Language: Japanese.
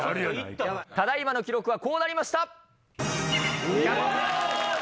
ただ今の記録はこうなりました。